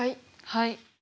はい。